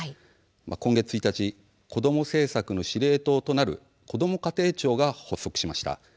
今月１日子ども政策の司令塔となるこども家庭庁が発足しました。